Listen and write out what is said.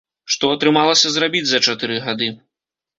Што атрымалася зрабіць за чатыры гады?